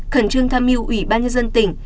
khẩn trương tham mưu ubnd tỉnh